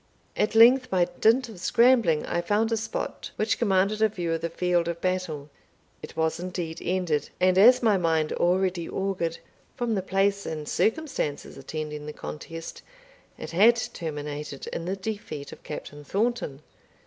At length, by dint of scrambling, I found a spot which commanded a view of the field of battle. It was indeed ended; and, as my mind already augured, from the place and circumstances attending the contest, it had terminated in the defeat of Captain Thornton.